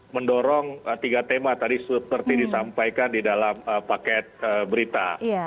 mendorong tiga tema tadi seperti disampaikan di dalam paket berita